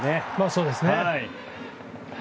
そうですね。